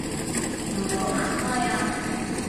唔好行開啊